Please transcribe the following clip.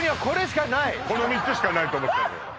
この３つしかないと思ってたのよ